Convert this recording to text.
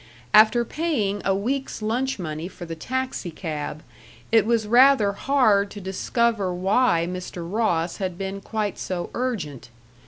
After paying a week's lunch money for the taxicab, it was rather hard to discover why Mr. Ross had been quite so urgent.